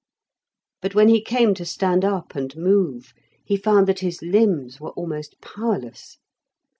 But when he came to stand up and move, he found that his limbs were almost powerless.